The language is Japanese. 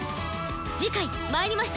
次回「魔入りました！